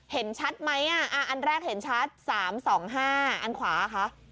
เห็นชัดไหมอันแรกเห็นชัด๓๒๕อันขวาคะ